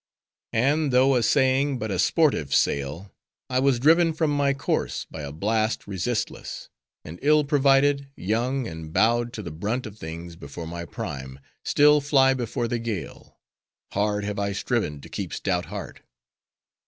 And though essaying but a sportive sail, I was driven from my course, by a blast resistless; and ill provided, young, and bowed to the brunt of things before my prime, still fly before the gale;—hard have I striven to keep stout heart.